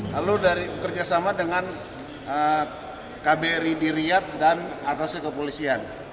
lalu dari kerjasama dengan kbrd riyad dan atasnya kepolisian